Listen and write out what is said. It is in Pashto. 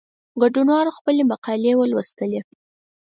ګډونوالو خپلي مقالې ولوستې.